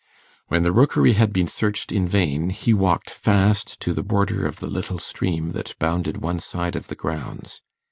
When the Rookery had been searched in vain, he walked fast to the border of the little stream that bounded one side of the grounds.